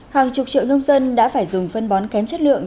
hàng chục triệu nông dân đã phải dùng phân bón kém chất lượng